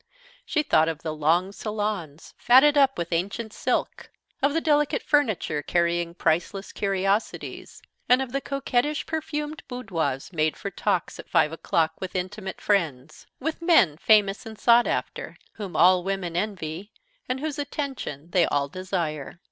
She thought of the long salons fatted up with ancient silk, of the delicate furniture carrying priceless curiosities, and of the coquettish perfumed boudoirs made for talks at five o'clock with intimate friends, with men famous and sought after, whom all women envy and whose attention they all desire.